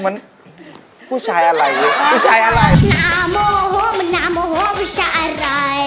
เหมือนผู้ชายอั่นไหล